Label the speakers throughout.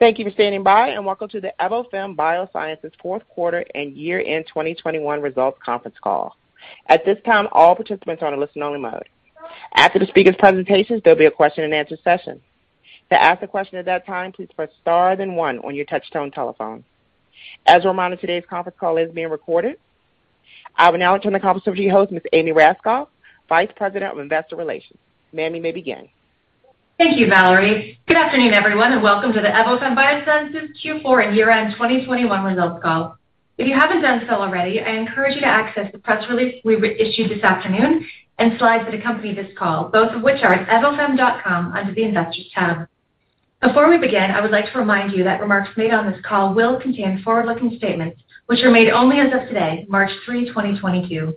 Speaker 1: Thank you for standing by, and welcome to the Evofem Biosciences fourth quarter and year-end 2021 results conference call. At this time, all participants are on a listen-only mode. After the speakers' presentations, there'll be a question-and-answer session. To ask a question at that time, please press star then one on your touchtone telephone. As a reminder, today's conference call is being recorded. I will now turn the conference over to your host, Ms. Amy Raskopf, Vice President of Investor Relations. Ma'am, you may begin.
Speaker 2: Thank you, Valerie. Good afternoon, everyone, and welcome to the Evofem Biosciences Q4 and year-end 2021 results call. If you haven't done so already, I encourage you to access the press release we re-issued this afternoon and slides that accompany this call, both of which are at evofem.com under the Investors tab. Before we begin, I would like to remind you that remarks made on this call will contain forward-looking statements, which are made only as of today, March 3, 2022.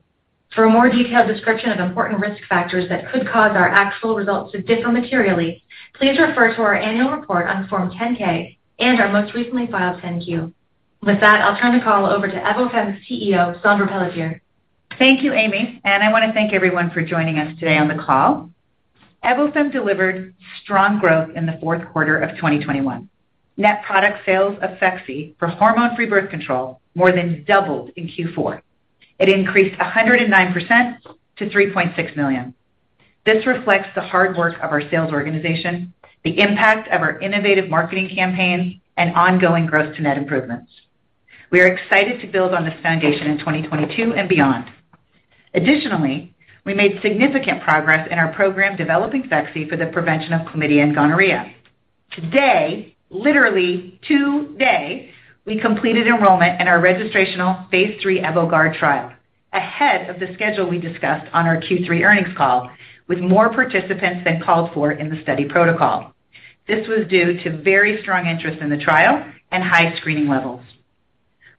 Speaker 2: For a more detailed description of important risk factors that could cause our actual results to differ materially, please refer to our annual report on Form 10-K and our most recently filed 10-Q. With that, I'll turn the call over to Evofem's CEO, Saundra Pelletier.
Speaker 3: Thank you, Amy, and I wanna thank everyone for joining us today on the call. Evofem delivered strong growth in the fourth quarter of 2021. Net product sales of Phexxi for hormone-free birth control more than doubled in Q4. It increased 109% to $3.6 million. This reflects the hard work of our sales organization, the impact of our innovative marketing campaigns, and ongoing growth to net improvements. We are excited to build on this foundation in 2022 and beyond. Additionally, we made significant progress in our program developing Phexxi for the prevention of chlamydia and gonorrhea. Today, literally today, we completed enrollment in our registrational phase III EVOGUARD trial ahead of the schedule we discussed on our Q3 earnings call with more participants than called for in the study protocol. This was due to very strong interest in the trial and high screening levels.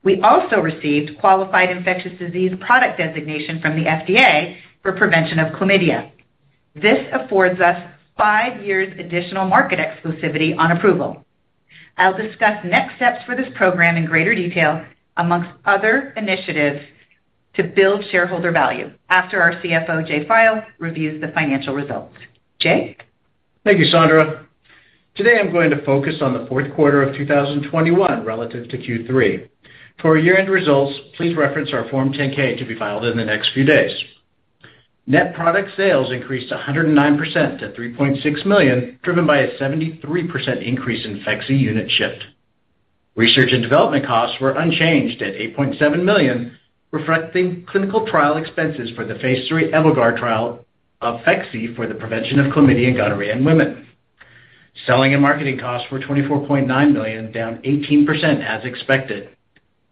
Speaker 3: We also received Qualified Infectious Disease Product designation from the FDA for prevention of chlamydia. This affords us five years additional market exclusivity on approval. I'll discuss next steps for this program in greater detail amongst other initiatives to build shareholder value after our CFO, Jay File, reviews the financial results. Jay?
Speaker 4: Thank you, Saundra. Today I'm going to focus on the fourth quarter of 2021 relative to Q3. For our year-end results, please reference our Form 10-K to be filed in the next few days. Net product sales increased 109% to $3.6 million, driven by a 73% increase in Phexxi units shipped. Research and development costs were unchanged at $8.7 million, reflecting clinical trial expenses for the phase III EVOGUARD trial of Phexxi for the prevention of chlamydia and gonorrhea in women. Selling and marketing costs were $24.9 million, down 18% as expected.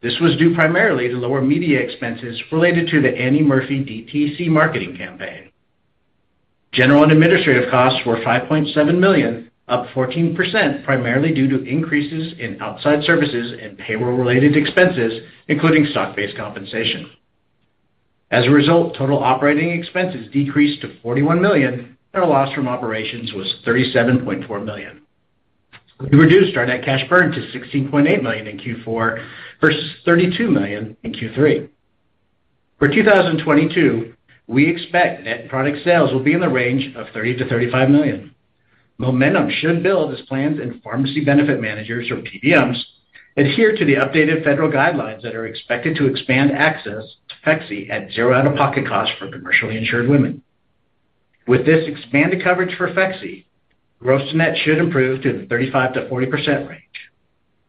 Speaker 4: This was due primarily to lower media expenses related to the Annie Murphy DTC marketing campaign. General and administrative costs were $5.7 million, up 14% primarily due to increases in outside services and payroll-related expenses, including stock-based compensation. As a result, total operating expenses decreased to $41 million, and our loss from operations was $37.4 million. We reduced our net cash burn to $16.8 million in Q4 versus $32 million in Q3. For 2022, we expect net product sales will be in the range of $30 million-$35 million. Momentum should build as planned, and pharmacy benefit managers or PBMs adhere to the updated federal guidelines that are expected to expand access to Phexxi at zero out-of-pocket costs for commercially insured women. With this expanded coverage for Phexxi, gross net should improve to the 35%-40% range.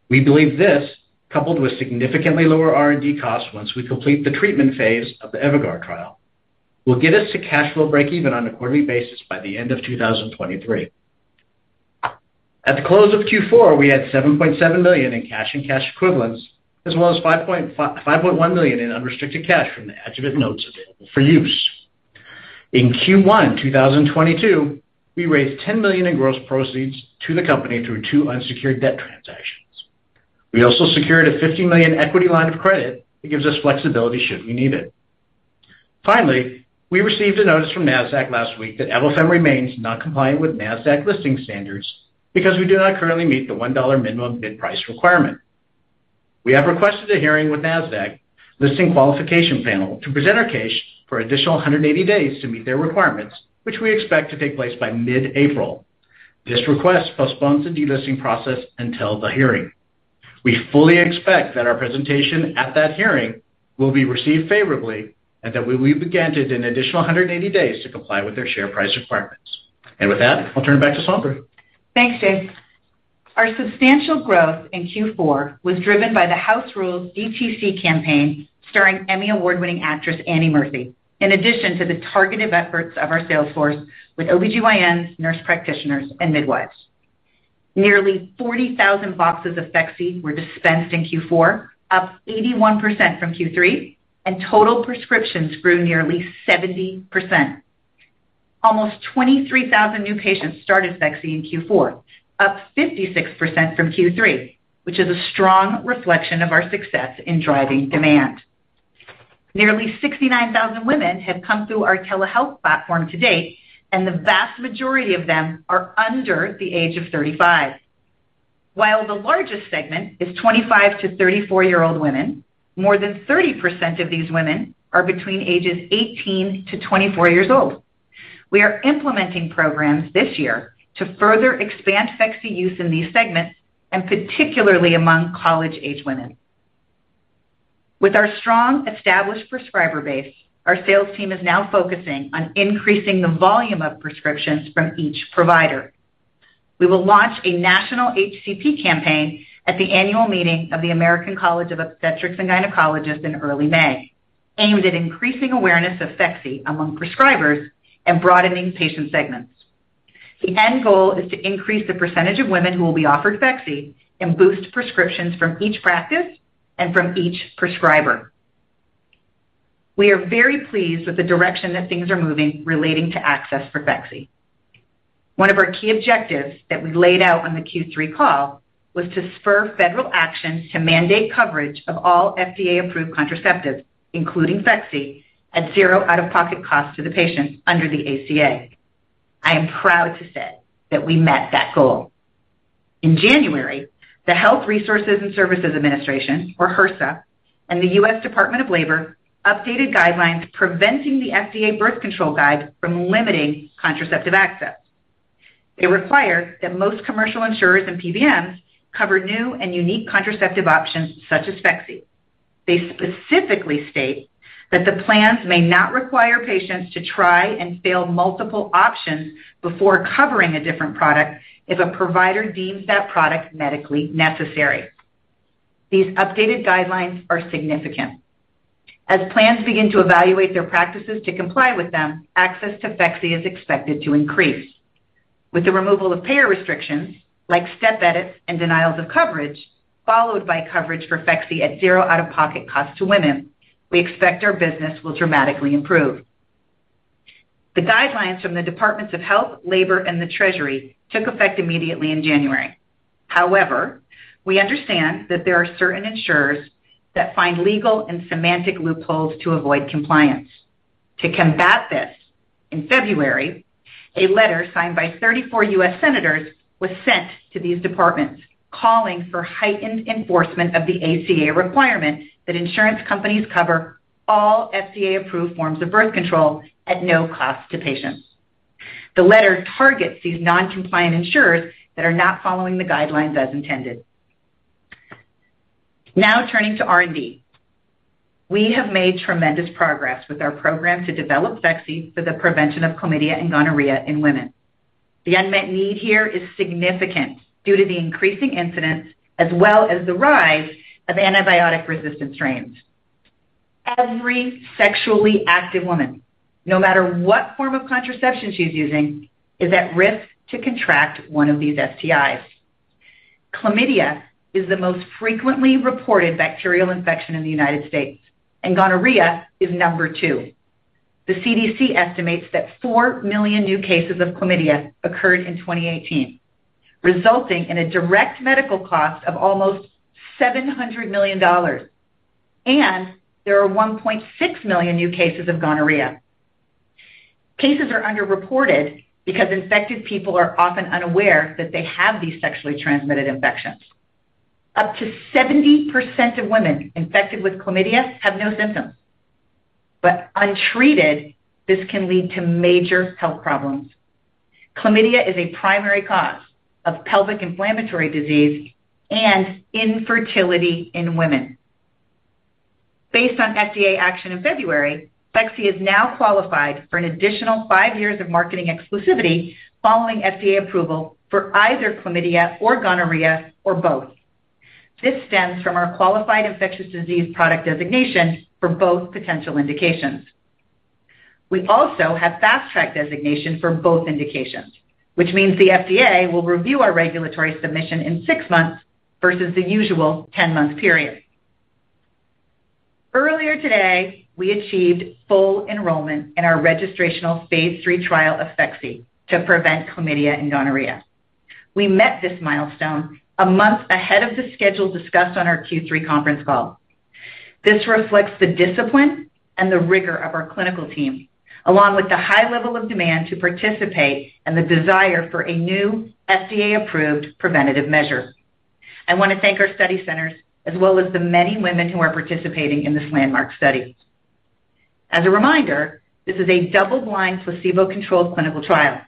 Speaker 4: We believe this, coupled with significantly lower R&D costs once we complete the treatment phase of the EVOGUARD trial, will get us to cash flow breakeven on a quarterly basis by the end of 2023. At the close of Q4, we had $7.7 million in cash and cash equivalents, as well as $5.1 million in unrestricted cash from the Adjuvant Notes available for use. In Q1 2022, we raised $10 million in gross proceeds to the company through two unsecured debt transactions. We also secured a $50 million equity line of credit that gives us flexibility should we need it. Finally, we received a notice from Nasdaq last week that Evofem remains not compliant with Nasdaq listing standards because we do not currently meet the $1 minimum bid price requirement. We have requested a hearing with Nasdaq Listing Qualifications Panel to present our case for additional 180 days to meet their requirements, which we expect to take place by mid-April. This request postpones the delisting process until the hearing. We fully expect that our presentation at that hearing will be received favorably and that we will be granted an additional 180 days to comply with their share price requirements. With that, I'll turn it back to Saundra.
Speaker 3: Thanks, Jay. Our substantial growth in Q4 was driven by the House Rules DTC campaign starring Emmy Award-winning actress Annie Murphy, in addition to the targeted efforts of our sales force with OBGYNs, nurse practitioners, and midwives. Nearly 40,000 boxes of Phexxi were dispensed in Q4, up 81% from Q3, and total prescriptions grew nearly 70%. Almost 23,000 new patients started Phexxi in Q4, up 56% from Q3, which is a strong reflection of our success in driving demand. Nearly 69,000 women have come through our telehealth platform to date, and the vast majority of them are under the age of 35. While the largest segment is 25 to 34 year-old women, more than 30% of these women are between ages 18 to 24 years old. We are implementing programs this year to further expand Phexxi use in these segments, and particularly among college-aged women. With our strong established prescriber base, our sales team is now focusing on increasing the volume of prescriptions from each provider. We will launch a national HCP campaign at the annual meeting of the American College of Obstetrics and Gynecologists in early May, aimed at increasing awareness of Phexxi among prescribers and broadening patient segments. The end goal is to increase the percentage of women who will be offered Phexxi and boost prescriptions from each practice and from each prescriber. We are very pleased with the direction that things are moving relating to access for Phexxi. One of our key objectives that we laid out on the Q3 call was to spur federal action to mandate coverage of all FDA-approved contraceptives, including Phexxi, at zero out-of-pocket cost to the patients under the ACA. I am proud to say that we met that goal. In January, the Health Resources and Services Administration, or HRSA, and the U.S. Department of Labor updated guidelines preventing the FDA birth control guide from limiting contraceptive access. They require that most commercial insurers and PBMs cover new and unique contraceptive options such as Phexxi. They specifically state that the plans may not require patients to try and fail multiple options before covering a different product if a provider deems that product medically necessary. These updated guidelines are significant. As plans begin to evaluate their practices to comply with them, access to Phexxi is expected to increase. With the removal of payer restrictions, like step edits and denials of coverage, followed by coverage for Phexxi at zero out-of-pocket cost to women, we expect our business will dramatically improve. The guidelines from the Departments of Health and Human Services, Labor, and the Treasury took effect immediately in January. However, we understand that there are certain insurers that find legal and semantic loopholes to avoid compliance. To combat this, in February, a letter signed by 34 U.S. senators was sent to these departments calling for heightened enforcement of the ACA requirement that insurance companies cover all FDA-approved forms of birth control at no cost to patients. The letter targets these non-compliant insurers that are not following the guidelines as intended. Now, turning to R&D. We have made tremendous progress with our program to develop Phexxi for the prevention of chlamydia and gonorrhea in women. The unmet need here is significant due to the increasing incidence as well as the rise of antibiotic-resistant strains. Every sexually active woman, no matter what form of contraception she's using, is at risk to contract one of these STIs. Chlamydia is the most frequently reported bacterial infection in the United States, and gonorrhea is number two. The CDC estimates that 4 million new cases of chlamydia occurred in 2018, resulting in a direct medical cost of almost $700 million. There are 1.6 million new cases of gonorrhea. Cases are underreported because infected people are often unaware that they have these sexually transmitted infections. Up to 70% of women infected with chlamydia have no symptoms. Untreated, this can lead to major health problems. Chlamydia is a primary cause of pelvic inflammatory disease and infertility in women. Based on FDA action in February, Phexxi is now qualified for an additional five years of marketing exclusivity following FDA approval for either chlamydia or gonorrhea or both. This stems from our Qualified Infectious Disease Product designation for both potential indications. We also have fast-track designation for both indications, which means the FDA will review our regulatory submission in six months versus the usual 10-month period. Earlier today, we achieved full enrollment in our registrational phase III trial of Phexxi to prevent chlamydia and gonorrhea. We met this milestone a month ahead of the schedule discussed on our Q3 conference call. This reflects the discipline and the rigor of our clinical team, along with the high level of demand to participate and the desire for a new FDA-approved preventative measure. I want to thank our study centers as well as the many women who are participating in this landmark study. As a reminder, this is a double-blind, placebo-controlled clinical trial.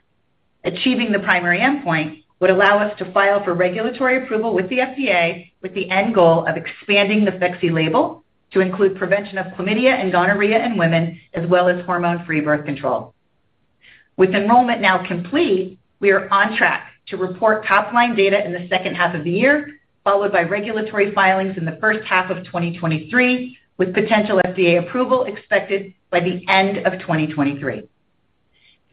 Speaker 3: Achieving the primary endpoint would allow us to file for regulatory approval with the FDA with the end goal of expanding the Phexxi label to include prevention of chlamydia and gonorrhea in women, as well as hormone-free birth control. With enrollment now complete, we are on track to report top-line data in the second half of the year, followed by regulatory filings in the first half of 2023, with potential FDA approval expected by the end of 2023.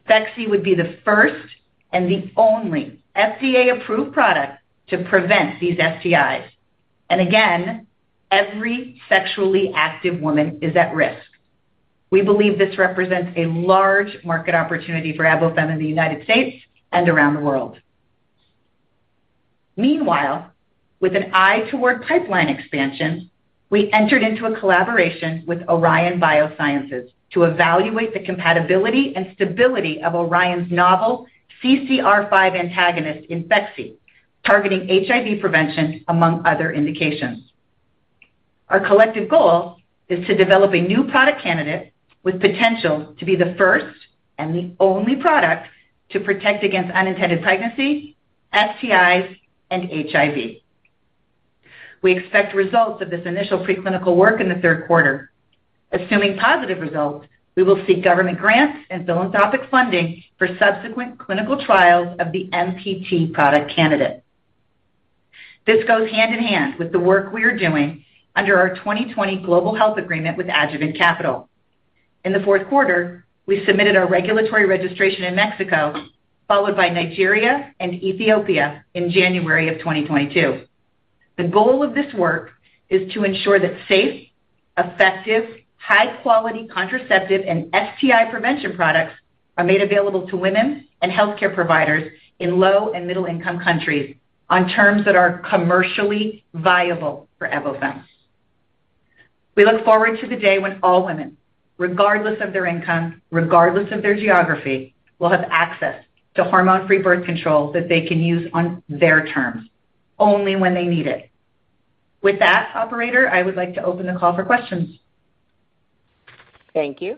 Speaker 3: Phexxi would be the first and the only FDA-approved product to prevent these STIs. Again, every sexually active woman is at risk. We believe this represents a large market opportunity for Evofem in the United States and around the world. Meanwhile, with an eye toward pipeline expansion, we entered into a collaboration with Orion Biotechnology to evaluate the compatibility and stability of Orion's novel CCR5 antagonist in Phexxi, targeting HIV prevention, among other indications. Our collective goal is to develop a new product candidate with potential to be the first and the only product to protect against unintended pregnancy, STIs, and HIV. We expect results of this initial preclinical work in the third quarter. Assuming positive results, we will seek government grants and philanthropic funding for subsequent clinical trials of the MPT product candidate. This goes hand in hand with the work we are doing under our 2020 Global Health Agreement with Adjuvant Capital. In the fourth quarter, we submitted our regulatory registration in Mexico, followed by Nigeria and Ethiopia in January 2022. The goal of this work is to ensure that safe, effective, high-quality contraceptive and STI prevention products are made available to women and healthcare providers in low and middle-income countries on terms that are commercially viable for Evofem. We look forward to the day when all women, regardless of their income, regardless of their geography, will have access to hormone-free birth control that they can use on their terms, only when they need it. With that, operator, I would like to open the call for questions.
Speaker 1: Thank you.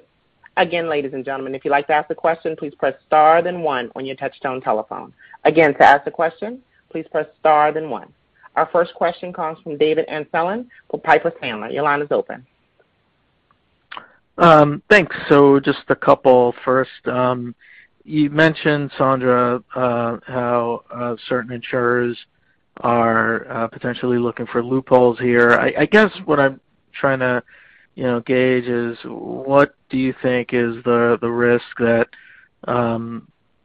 Speaker 1: Again, ladies and gentlemen, if you'd like to ask a question, please press star then one on your touchtone telephone. Again, to ask a question, please press star then one. Our first question comes from David Amsellem with Piper Sandler. Your line is open.
Speaker 5: Thanks. Just a couple. First, you mentioned, Saundra, how certain insurers are potentially looking for loopholes here. I guess what I'm trying to, you know, gauge is what do you think is the risk that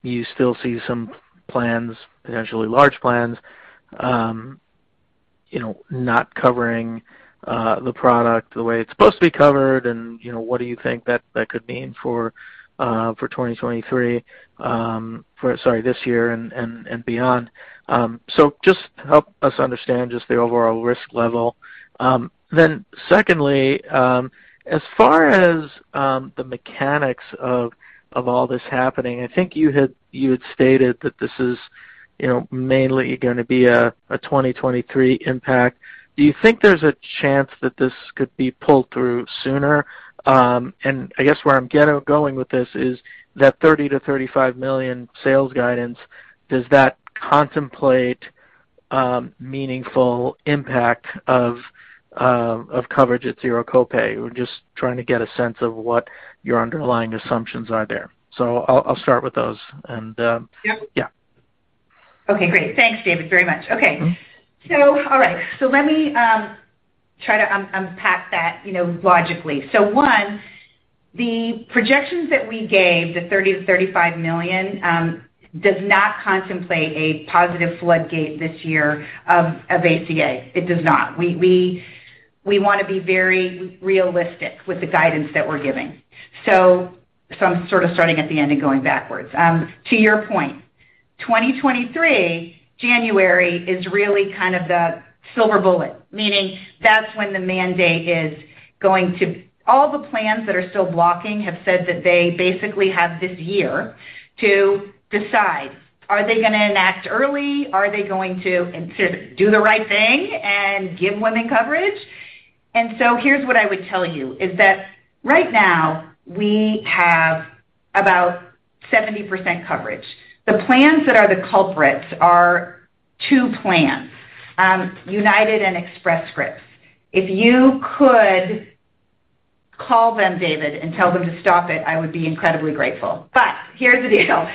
Speaker 5: you still see some plans, potentially large plans, you know, not covering the product the way it's supposed to be covered? You know, what do you think that could mean for 2023, sorry, this year and beyond. Just help us understand just the overall risk level. Secondly, as far as the mechanics of all this happening, I think you had stated that this is, you know, mainly gonna be a 2023 impact. Do you think there's a chance that this could be pulled through sooner? I guess where I'm going with this is that $30 million-$35 million sales guidance, does that contemplate meaningful impact of coverage at zero copay? We're just trying to get a sense of what your underlying assumptions are there. I'll start with those.
Speaker 3: Yeah.
Speaker 5: Yeah.
Speaker 3: Okay, great. Thanks, David, very much. Okay.
Speaker 5: Mm-hmm.
Speaker 3: All right. Let me try to unpack that, you know, logically. One, the projections that we gave, the $30 million-$35 million, does not contemplate a positive floodgate this year of ACA. It does not. We wanna be very realistic with the guidance that we're giving. I'm sort of starting at the end and going backwards. To your point, January 2023 is really kind of the silver bullet, meaning that's when the mandate is going to. All the plans that are still blocking have said that they basically have this year to decide, are they gonna enact early? Are they going to, and to do the right thing and give women coverage? Here's what I would tell you, is that right now we have about 70% coverage. The plans that are the culprits are two plans, UnitedHealthcare and Express Scripts. If you could call them, David, and tell them to stop it, I would be incredibly grateful. Here's the deal.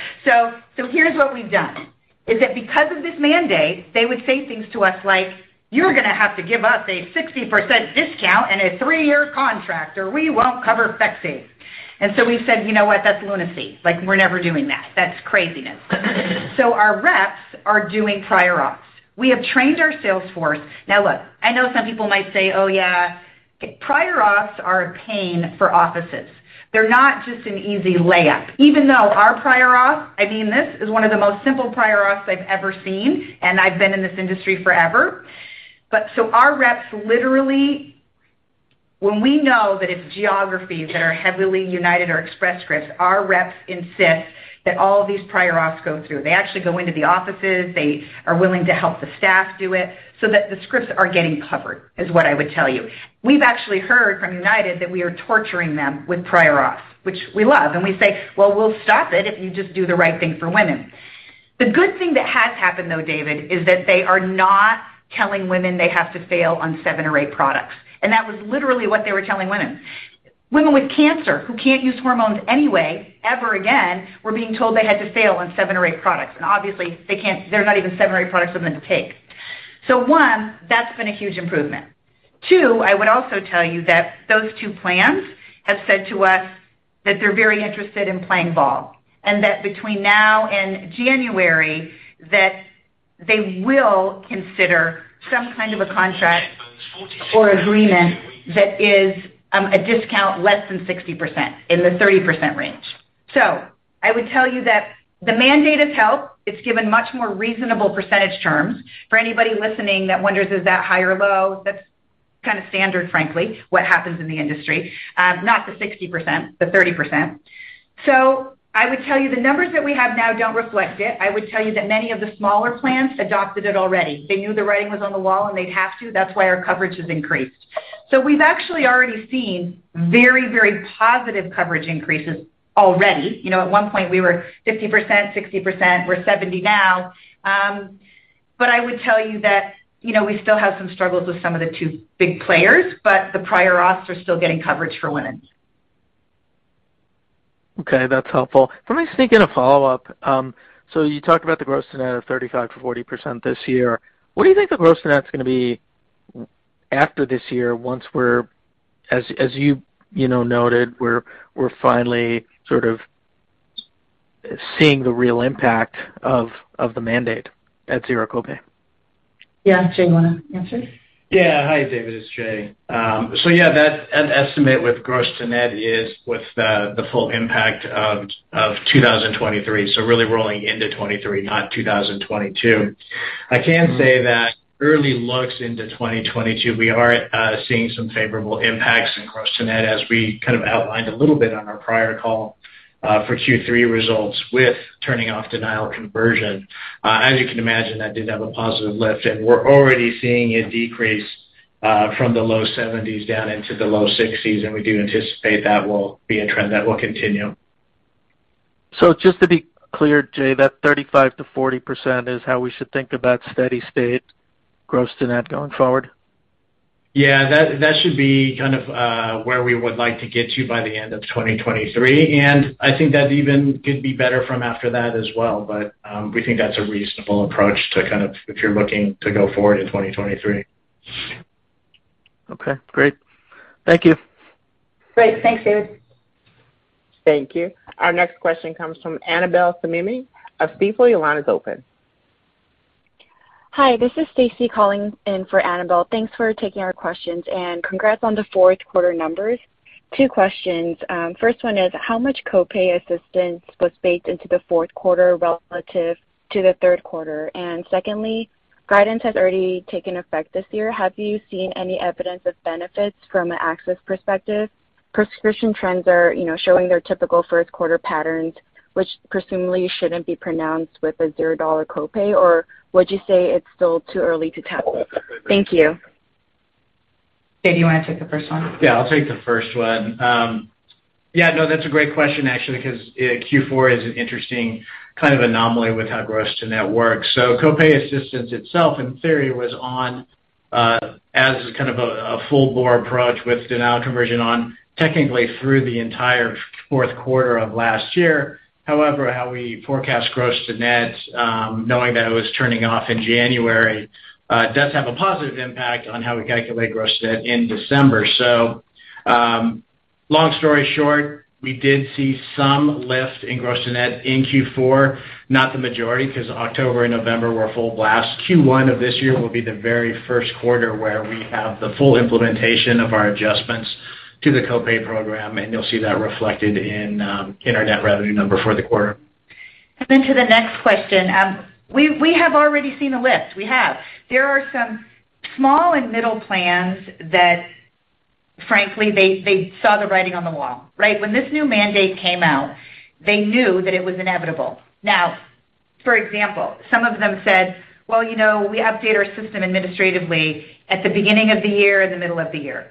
Speaker 3: Here's what we've done, is that because of this mandate, they would say things to us like, "You're gonna have to give us a 60% discount and a three-year contract, or we won't cover Phexxi." We've said, "You know what? That's lunacy. Like, we're never doing that. That's craziness." Our reps are doing prior auths. We have trained our sales force. Now, look, I know some people might say, "Oh, yeah." Prior auths are a pain for offices. They're not just an easy layup, even though our prior auth, I mean, this is one of the most simple prior auths I've ever seen, and I've been in this industry forever. Our reps literally, when we know that it's geographies that are heavily UnitedHealthcare or Express Scripts, our reps insist that all of these prior auths go through. They actually go into the offices. They are willing to help the staff do it so that the scripts are getting covered, is what I would tell you. We've actually heard from UnitedHealthcare that we are torturing them with prior auths, which we love. We say, "Well, we'll stop it if you just do the right thing for women." The good thing that has happened though, David, is that they are not telling women they have to fail on seven or eight products, and that was literally what they were telling women. Women with cancer who can't use hormones anyway ever again were being told they had to fail on seven or eight products, and obviously, they can't, there are not even seven or eight products for them to take. One, that's been a huge improvement. Two, I would also tell you that those two plans have said to us that they're very interested in playing ball, and that between now and January, that they will consider some kind of a contract or agreement that is a discount less than 60%, in the 30% range. I would tell you that the mandate has helped. It's given much more reasonable percentage terms. For anybody listening that wonders is that high or low, that's kinda standard, frankly, what happens in the industry, not the 60%, the 30%. I would tell you the numbers that we have now don't reflect it. I would tell you that many of the smaller plans adopted it already. They knew the writing was on the wall, and they'd have to. That's why our coverage has increased. We've actually already seen very, very positive coverage increases already. You know, at one point, we were 50%, 60%. We're 70% now. But I would tell you that, you know, we still have some struggles with some of the two big players, but the prior auths are still getting coverage for women.
Speaker 5: Okay, that's helpful. Let me sneak in a follow-up. You talked about the gross to net of 35%-40% this year. What do you think the gross to net's gonna be after this year once we're, as you noted, finally sort of seeing the real impact of the mandate at zero copay?
Speaker 3: Yeah. Jay, you wanna answer?
Speaker 4: Yeah. Hi, David. It's Jay. That estimate with gross to net is with the full impact of 2023, so really rolling into 2023, not 2022. I can say that early looks into 2022, we are seeing some favorable impacts in gross to net as we kind of outlined a little bit on our prior call for Q3 results with turning off denial conversion. As you can imagine, that did have a positive lift, and we're already seeing it decrease from the low 70s% down into the low 60s%, and we do anticipate that will be a trend that will continue.
Speaker 5: Just to be clear, Jay, that 35%-40% is how we should think about steady-state gross to net going forward?
Speaker 4: Yeah. That should be kind of where we would like to get to by the end of 2023, and I think that even could be better from after that as well. We think that's a reasonable approach to kind of if you're looking to go forward in 2023.
Speaker 5: Okay, great. Thank you.
Speaker 3: Great. Thanks, David.
Speaker 1: Thank you. Our next question comes from Annabel Samimy of Stifel. Your line is open.
Speaker 6: Hi, this is Stacy calling in for Annabel. Thanks for taking our questions, and congrats on the fourth quarter numbers. Two questions. First one is, how much copay assistance was baked into the fourth quarter relative to the third quarter? Secondly, guidance has already taken effect this year. Have you seen any evidence of benefits from an access perspective? Prescription trends are, you know, showing their typical first quarter patterns, which presumably shouldn't be pronounced with a $0 copay, or would you say it's still too early to tell? Thank you.
Speaker 3: Jay, do you wanna take the first one?
Speaker 4: Yeah, I'll take the first one. Yeah, no, that's a great question actually because Q4 is an interesting kind of anomaly with how gross to net works. Copay assistance itself in theory was on as kind of a full bore approach with denial conversion on technically through the entire fourth quarter of last year. However, how we forecast gross to net knowing that it was turning off in January does have a positive impact on how we calculate gross to net in December. Long story short, we did see some lift in gross to net in Q4, not the majority 'cause October and November were full blast. Q1 of this year will be the very first quarter where we have the full implementation of our adjustments to the copay program, and you'll see that reflected in our net revenue number for the quarter.
Speaker 3: To the next question. We have already seen a lift. We have. There are some small and middle plans that frankly, they saw the writing on the wall, right? When this new mandate came out, they knew that it was inevitable. Now, for example, some of them said, "Well, you know, we update our system administratively at the beginning of the year or the middle of the year.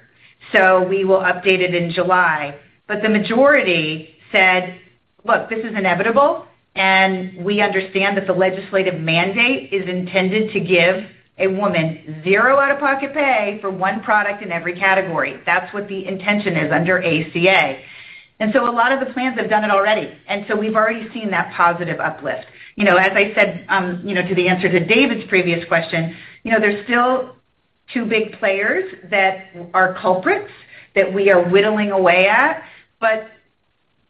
Speaker 3: So we will update it in July." But the majority said, "Look, this is inevitable, and we understand that the legislative mandate is intended to give a woman zero out-of-pocket pay for one product in every category." That's what the intention is under ACA. A lot of the plans have done it already, and so we've already seen that positive uplift. You know, as I said, you know, to the answer to David's previous question, you know, there's still two big players that are culprits that we are whittling away at.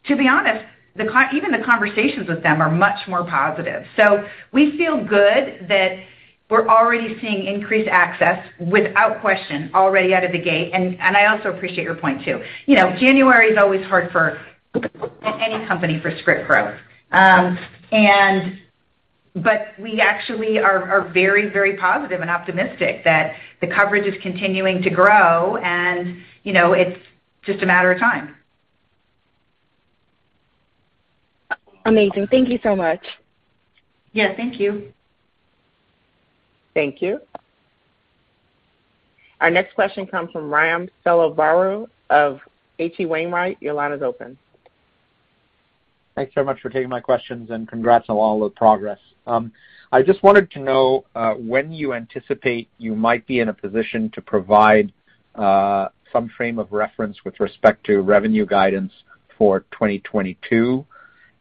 Speaker 3: To be honest, even the conversations with them are much more positive. We feel good that we're already seeing increased access without question already out of the gate. I also appreciate your point too. You know, January is always hard for any company for script growth. We actually are very, very positive and optimistic that the coverage is continuing to grow and, you know, it's just a matter of time.
Speaker 6: Amazing. Thank you so much.
Speaker 3: Yeah, thank you.
Speaker 1: Thank you. Our next question comes from Raghuram Selvaraju of H.C. Wainwright. Your line is open.
Speaker 7: Thanks so much for taking my questions, and congrats on all the progress. I just wanted to know when you anticipate you might be in a position to provide some frame of reference with respect to revenue guidance for 2022.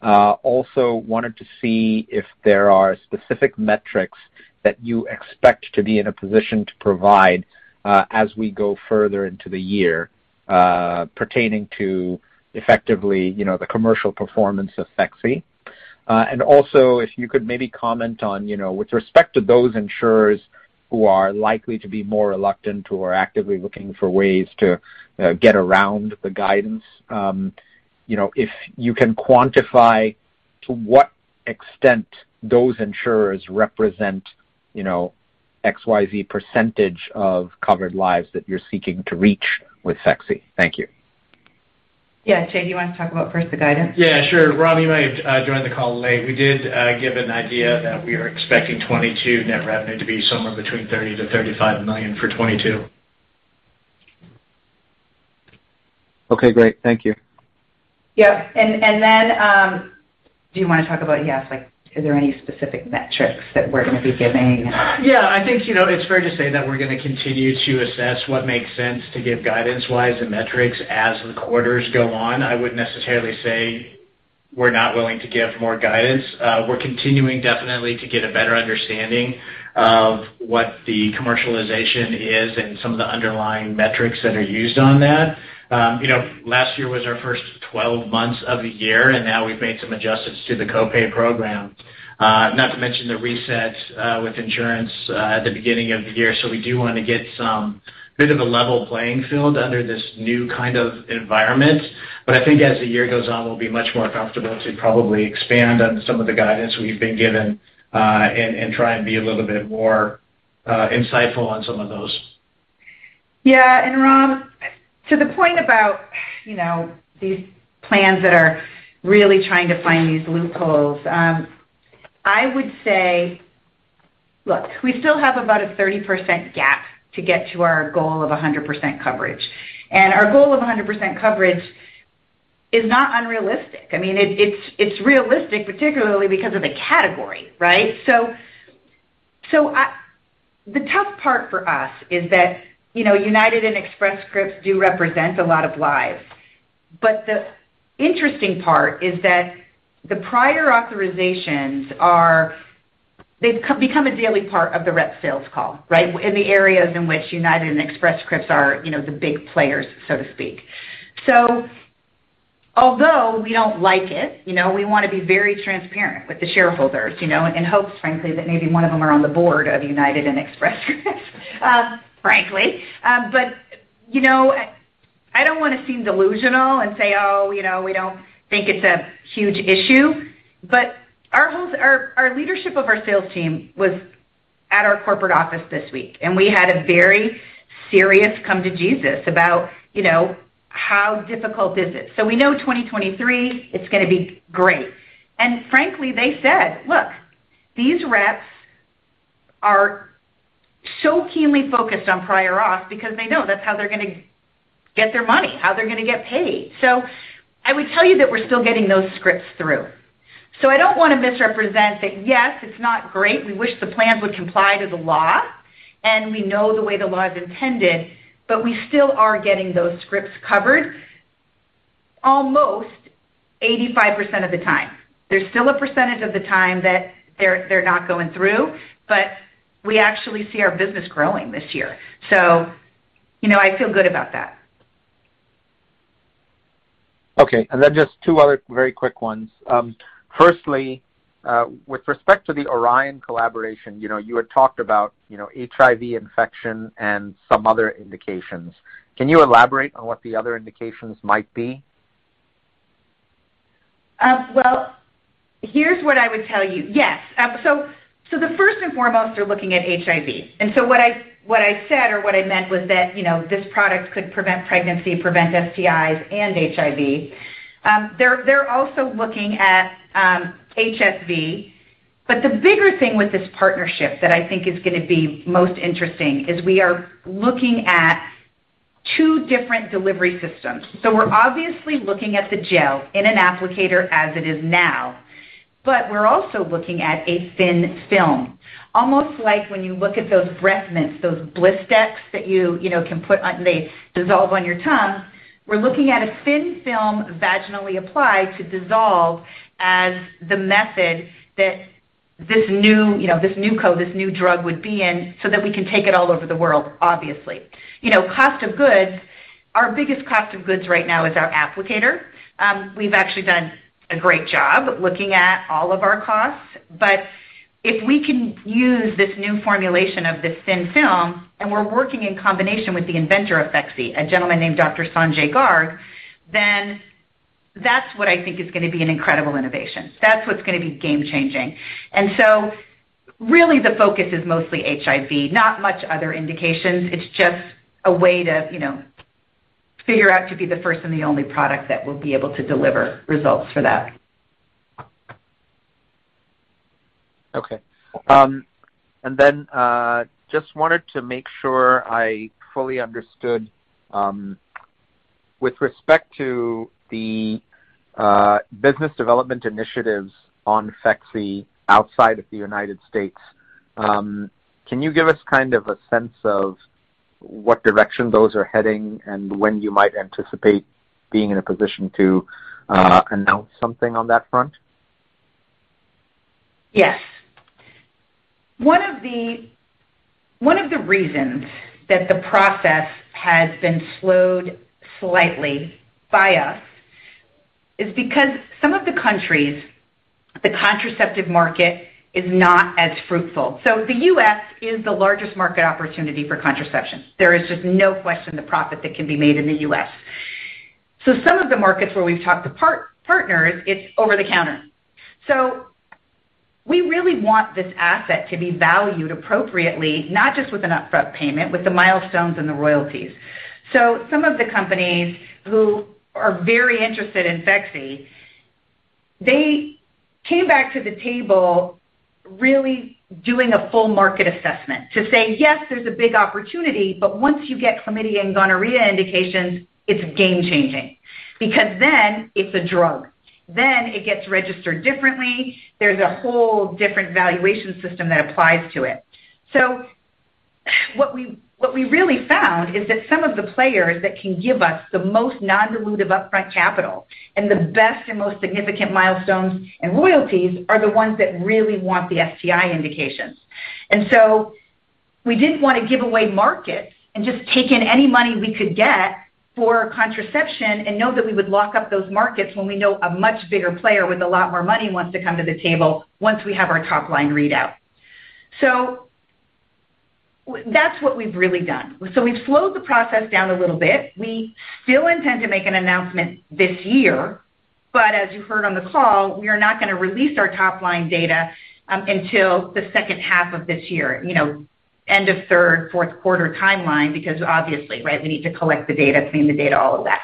Speaker 7: Also wanted to see if there are specific metrics that you expect to be in a position to provide as we go further into the year pertaining to effectively, you know, the commercial performance of Phexxi. And also, if you could maybe comment on, you know, with respect to those insurers who are likely to be more reluctant who are actively looking for ways to get around the guidance, you know, if you can quantify to what extent those insurers represent, you know, X percent of covered lives that you're seeking to reach with Phexxi? Thank you.
Speaker 3: Yeah. Jay, do you want to talk about first the guidance?
Speaker 4: Yeah, sure. Ram, you might have joined the call late. We did give an idea that we are expecting 2022 net revenue to be somewhere between $30 million-$35 million for 2022.
Speaker 7: Okay, great. Thank you.
Speaker 3: Yeah. Like, is there any specific metrics that we're gonna be giving?
Speaker 4: Yeah, I think, you know, it's fair to say that we're gonna continue to assess what makes sense to give guidance-wise and metrics as the quarters go on. I wouldn't necessarily say we're not willing to give more guidance. We're continuing definitely to get a better understanding of what the commercialization is and some of the underlying metrics that are used on that. You know, last year was our first twelve months of the year, and now we've made some adjustments to the co-pay program. Not to mention the reset with insurance at the beginning of the year. We do wanna get some bit of a level playing field under this new kind of environment. I think as the year goes on, we'll be much more comfortable to probably expand on some of the guidance we've been given, and try and be a little bit more insightful on some of those.
Speaker 3: Yeah. Ram, to the point about, you know, these plans that are really trying to find these loopholes, I would say. Look, we still have about a 30% gap to get to our goal of 100% coverage, and our goal of 100% coverage is not unrealistic. I mean, it's realistic particularly because of the category, right? The tough part for us is that, you know, UnitedHealthcare and Express Scripts do represent a lot of lives. The interesting part is that the prior authorizations have become a daily part of the rep sales call, right? In the areas in which UnitedHealthcare and Express Scripts are, you know, the big players, so to speak. Although we don't like it, you know, we wanna be very transparent with the shareholders, you know, in hopes, frankly, that maybe one of them are on the board of UnitedHealthcare and Express Scripts, frankly. You know, I don't wanna seem delusional and say, "Oh, you know, we don't think it's a huge issue." Our leadership of our sales team was at our corporate office this week, and we had a very serious come to Jesus about, you know, how difficult is this? We know 2023, it's gonna be great. Frankly, they said, "Look, these reps are so keenly focused on prior auth because they know that's how they're gonna get their money, how they're gonna get paid." I would tell you that we're still getting those scripts through. I don't wanna misrepresent that. Yes, it's not great. We wish the plans would comply to the law, and we know the way the law is intended, but we still are getting those scripts covered almost 85% of the time. There's still a percentage of the time that they're not going through, but we actually see our business growing this year. You know, I feel good about that.
Speaker 7: Okay. Just two other very quick ones. Firstly, with respect to the Orion collaboration, you know, you had talked about, you know, HIV infection and some other indications. Can you elaborate on what the other indications might be?
Speaker 3: Well, here's what I would tell you. Yes. The first and foremost, they're looking at HIV. What I said or what I meant was that, you know, this product could prevent pregnancy, prevent STIs and HIV. They're also looking at HSV. The bigger thing with this partnership that I think is gonna be most interesting is we are looking at two different delivery systems. We're obviously looking at the gel in an applicator as it is now, but we're also looking at a thin film. Almost like when you look at those breath mints, those Listerine that you know can put on. They dissolve on your tongue. We're looking at a thin film vaginally applied to dissolve as the method that this new, you know, this new drug would be in so that we can take it all over the world, obviously. You know, cost of goods, our biggest cost of goods right now is our applicator. We've actually done a great job looking at all of our costs. But if we can use this new formulation of this thin film, and we're working in combination with the inventor of Phexxi, a gentleman named Dr. Sanjay Garg, then that's what I think is gonna be an incredible innovation. That's what's gonna be game changing. Really the focus is mostly HIV, not much other indications. It's just a way to, you know, figure out to be the first and the only product that will be able to deliver results for that.
Speaker 7: Okay. Just wanted to make sure I fully understood, with respect to the business development initiatives on Phexxi outside of the United States, can you give us kind of a sense of what direction those are heading and when you might anticipate being in a position to announce something on that front?
Speaker 3: Yes. One of the reasons that the process has been slowed slightly by us is because some of the countries, the contraceptive market is not as fruitful. The U.S. is the largest market opportunity for contraception. There is just no question the profit that can be made in the U.S. Some of the markets where we've talked to partners, it's over the counter. We really want this asset to be valued appropriately, not just with an upfront payment, with the milestones and the royalties. Some of the companies who are very interested in Phexxi, they came back to the table really doing a full market assessment to say, yes, there's a big opportunity, but once you get chlamydia and gonorrhea indications, it's game-changing because then it's a drug, then it gets registered differently. There's a whole different valuation system that applies to it. What we really found is that some of the players that can give us the most non-dilutive upfront capital and the best and most significant milestones and royalties are the ones that really want the STI indications. We didn't want to give away market and just take in any money we could get for contraception and know that we would lock up those markets when we know a much bigger player with a lot more money wants to come to the table once we have our top-line readout. That's what we've really done. We've slowed the process down a little bit. We still intend to make an announcement this year, but as you heard on the call, we are not gonna release our top-line data until the second half of this year, you know, end of third, fourth quarter timeline, because obviously, right, we need to collect the data, clean the data, all of that.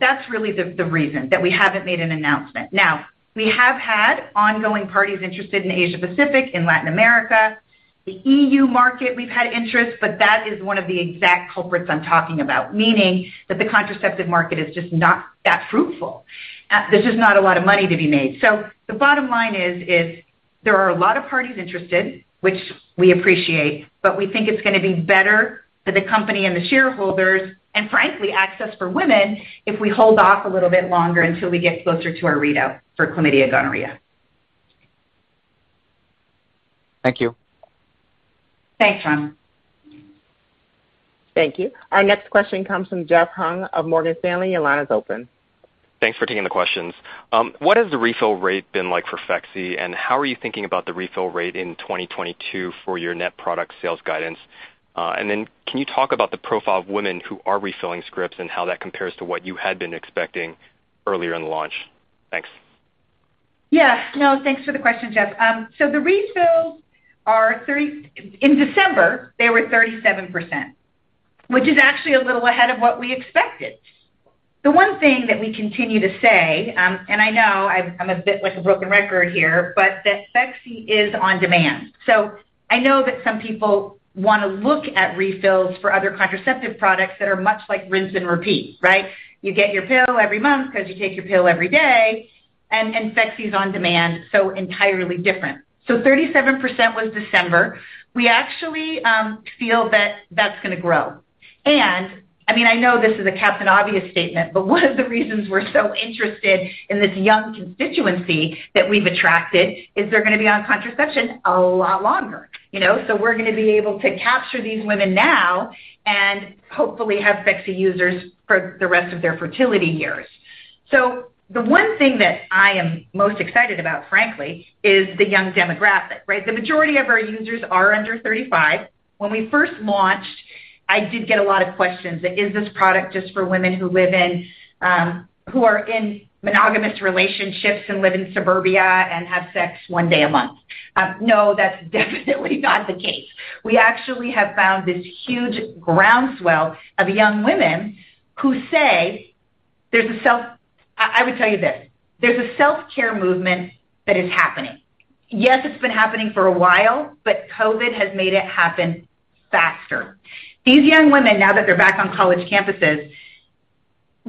Speaker 3: That's really the reason that we haven't made an announcement. Now, we have had ongoing parties interested in Asia-Pacific and Latin America. The EU market, we've had interest, but that is one of the exact culprits I'm talking about, meaning that the contraceptive market is just not that fruitful. There's just not a lot of money to be made. The bottom line is, there are a lot of parties interested, which we appreciate, but we think it's gonna be better for the company and the shareholders and frankly, access for women, if we hold off a little bit longer until we get closer to our readout for chlamydia, gonorrhea.
Speaker 7: Thank you.
Speaker 3: Thanks, Ram.
Speaker 1: Thank you. Our next question comes from Jeff Hung of Morgan Stanley. Your line is open.
Speaker 8: Thanks for taking the questions. What has the refill rate been like for Phexxi, and how are you thinking about the refill rate in 2022 for your net product sales guidance? Can you talk about the profile of women who are refilling scripts and how that compares to what you had been expecting earlier in the launch? Thanks.
Speaker 3: Yeah. No, thanks for the question, Jeff. In December, they were 37%, which is actually a little ahead of what we expected. The one thing that we continue to say, and I know I'm a bit like a broken record here, but that Phexxi is on demand. I know that some people wanna look at refills for other contraceptive products that are much like rinse and repeat, right? You get your pill every month 'cause you take your pill every day, and Phexxi is on demand, so entirely different. 37% was December. We actually feel that that's gonna grow. I mean, I know this is a captain obvious statement, but one of the reasons we're so interested in this young constituency that we've attracted is they're gonna be on contraception a lot longer, you know. We're gonna be able to capture these women now and hopefully have Phexxi users for the rest of their fertility years. The one thing that I am most excited about, frankly, is the young demographic, right? The majority of our users are under 35. When we first launched, I did get a lot of questions, is this product just for women who live in, who are in monogamous relationships and live in suburbia and have sex one day a month? No, that's definitely not the case. We actually have found this huge groundswell of young women who say I would tell you this, there's a self-care movement that is happening. Yes, it's been happening for a while, but COVID has made it happen faster. These young women, now that they're back on college campuses,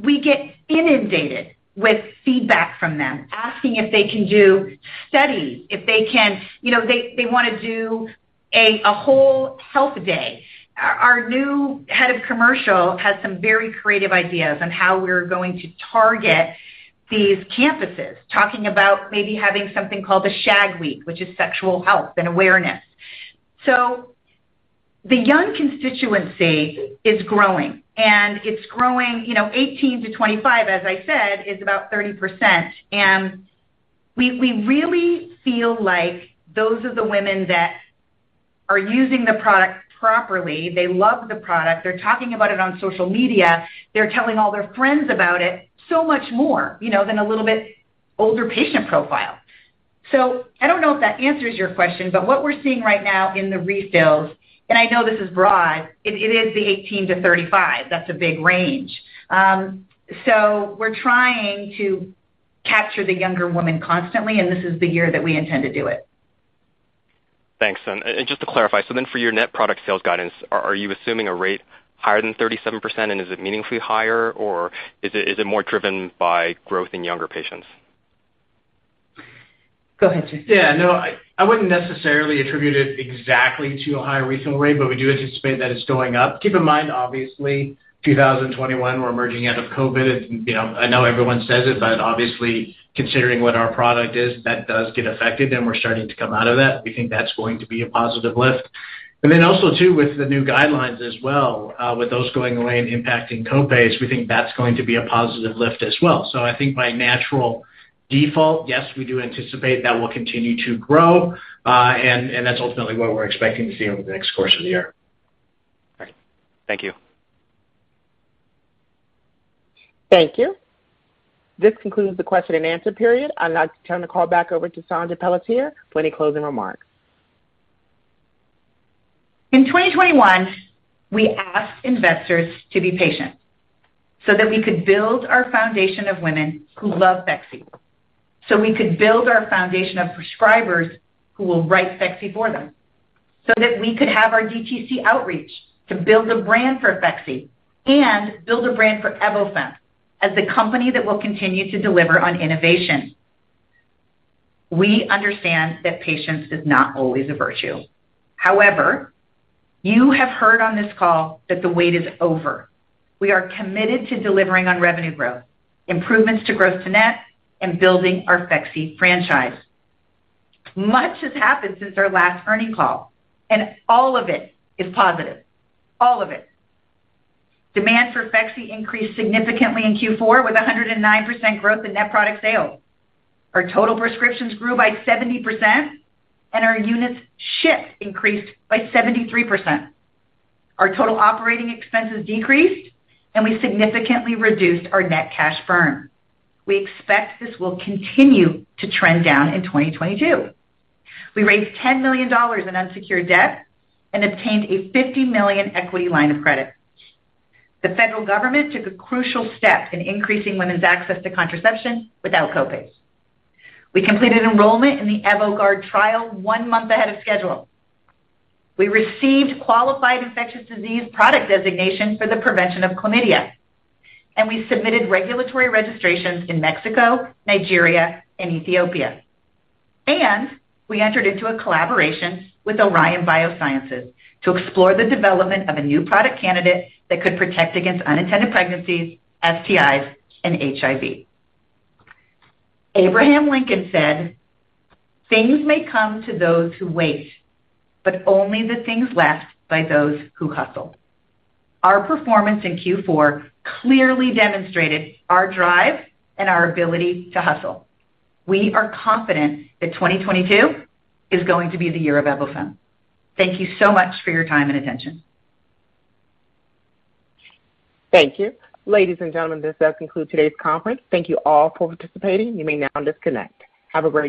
Speaker 3: we get inundated with feedback from them, asking if they can do studies, if they can, you know, they wanna do a whole health day. Our new head of commercial has some very creative ideas on how we're going to target these campuses, talking about maybe having something called a SHAG week, which is sexual health and awareness. The young constituency is growing, and it's growing, you know, 18-25, as I said, is about 30%. We really feel like those are the women that are using the product properly. They love the product. They're talking about it on social media. They're telling all their friends about it so much more, you know, than a little bit older patient profile. I don't know if that answers your question, but what we're seeing right now in the refills, and I know this is broad, it is the 18-35. That's a big range. We're trying to capture the younger woman constantly, and this is the year that we intend to do it.
Speaker 8: Thanks. Just to clarify, so then for your net product sales guidance, are you assuming a rate higher than 37%, and is it meaningfully higher, or is it more driven by growth in younger patients?
Speaker 3: Go ahead, Jeff
Speaker 4: Yeah, no, I wouldn't necessarily attribute it exactly to a higher refill rate, but we do anticipate that it's going up. Keep in mind, obviously, 2021, we're emerging out of COVID. You know, I know everyone says it, but obviously, considering what our product is, that does get affected, and we're starting to come out of that. We think that's going to be a positive lift. Then also too, with the new guidelines as well, with those going away and impacting co-pays, we think that's going to be a positive lift as well. I think by natural default, yes, we do anticipate that will continue to grow, and that's ultimately what we're expecting to see over the next course of the year.
Speaker 8: All right. Thank you.
Speaker 1: Thank you. This concludes the question and answer period. I'd like to turn the call back over to Saundra Pelletier for any closing remarks.
Speaker 3: In 2021, we asked investors to be patient so that we could build our foundation of women who love Phexxi, so we could build our foundation of prescribers who will write Phexxi for them, so that we could have our DTC outreach to build a brand for Phexxi and build a brand for Evofem as the company that will continue to deliver on innovation. We understand that patience is not always a virtue. However, you have heard on this call that the wait is over. We are committed to delivering on revenue growth, improvements to gross-to-net, and building our Phexxi franchise. Much has happened since our last earnings call, and all of it is positive. All of it. Demand for Phexxi increased significantly in Q4 with 109% growth in net product sales. Our total prescriptions grew by 70%, and our units shipped increased by 73%. Our total operating expenses decreased, and we significantly reduced our net cash burn. We expect this will continue to trend down in 2022. We raised $10 million in unsecured debt and obtained a $50 million equity line of credit. The federal government took a crucial step in increasing women's access to contraception without copays. We completed enrollment in the EVOGUARD trial one month ahead of schedule. We received Qualified Infectious Disease Product designation for the prevention of chlamydia. We submitted regulatory registrations in Mexico, Nigeria, and Ethiopia. We entered into a collaboration with Orion Biotechnology to explore the development of a new product candidate that could protect against unintended pregnancies, STIs, and HIV. Abraham Lincoln said, "Things may come to those who wait, but only the things left by those who hustle." Our performance in Q4 clearly demonstrated our drive and our ability to hustle. We are confident that 2022 is going to be the year of Evofem. Thank you so much for your time and attention.
Speaker 1: Thank you. Ladies and gentlemen, this does conclude today's conference. Thank you all for participating. You may now disconnect. Have a great day.